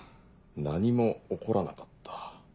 何も起こらなかった。